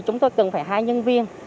chúng tôi cần phải hai nhân viên